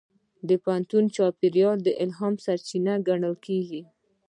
د پوهنتون چاپېریال د الهام سرچینه ګڼل کېږي.